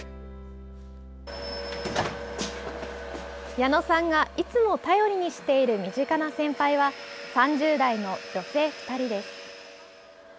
矢野さんがいつも頼りにしている身近な先輩は３０代の女性２人です。